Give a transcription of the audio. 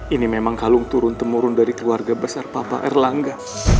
ini memang kalung turun temurun dari keluarga besar bapak erlangga